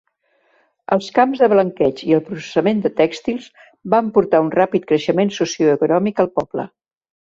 Els camps de blanqueig i el processament de tèxtils van portar un ràpid creixement socioeconòmic al poble.